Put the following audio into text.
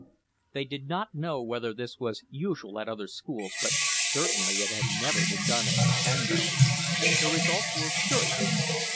They did not know whether this was usual at other schools, but certainly it had never been done at Tercanbury. The results were curious.